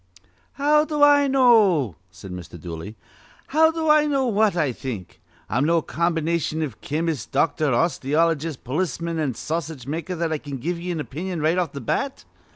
"How do I know?" said Mr. Dooley. "How do I know what I think? I'm no combi nation iv chemist, doctor, osteologist, polisman, an' sausage maker, that I can give ye an opinion right off th' bat.